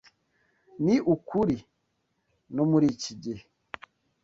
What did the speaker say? Ni ukuri, no muri iki gihe